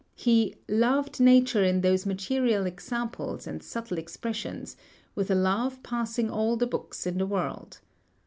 He "loved nature in those material examples and subtle expressions, with a love passing all the books in the world."